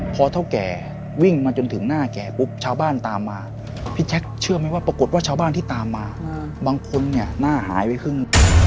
พอเท่าแก่วิ่งมาจนถึงหน้าแก่ปุ๊บชาวบ้านตามมาพี่แจ๊คเชื่อไหมว่าปรากฏว่าชาวบ้านที่ตามมาบางคนเนี่ยหน้าหายไปครึ่ง